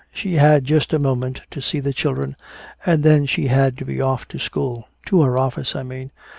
"She had just a moment to see the children and then she had to be off to school to her office, I mean.